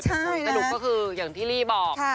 ใช่นะสนุกก็คืออย่างที่ลีบอก